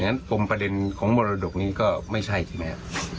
อย่างนั้นประเด็นของมรดกนี้ก็ไม่ใช่ใช่ไหม